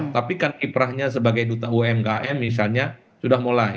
tapi kan kiprahnya sebagai duta umkm misalnya sudah mulai